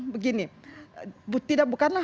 begini tidak bukanlah